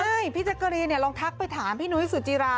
ใช่พี่จักรีนี่ลองทักไปถามพี่หนุ๊ยสุจิรา